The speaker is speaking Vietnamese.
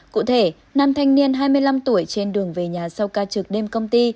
cụ thể nam thanh niên hai mươi năm tuổi trên đường về nhà sau ca trực đêm công ty